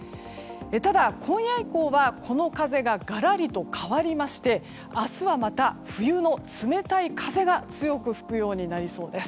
ただ、今夜以降はこの風ががらりと変わりまして明日はまた、冬の冷たい風が強く吹くようになりそうです。